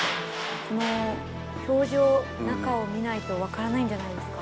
この表示を中を見ないと分からないんじゃないですか